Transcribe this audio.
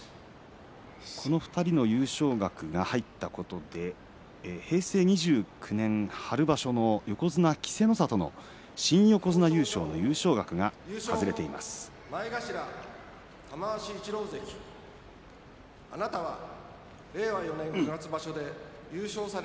この２人の優勝額が入ったことで平成２９年春場所の横綱稀勢の里の新横綱優勝の優勝額が外れてい表彰状、優勝前頭